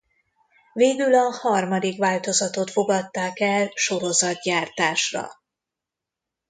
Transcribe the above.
Végül a harmadik változatot fogadták el sorozatgyártásra.